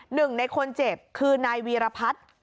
หนึ่งในคนเจ็บคือนายวีรพัฒน์